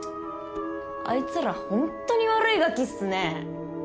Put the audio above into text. あいつら本当に悪いガキっすね。